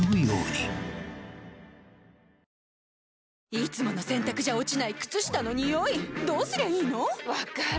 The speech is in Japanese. いつもの洗たくじゃ落ちない靴下のニオイどうすりゃいいの⁉分かる。